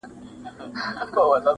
انساني احساسات زخمي کيږي سخت,